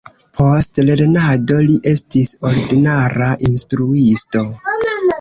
Post lernado li estis ordinara instruisto.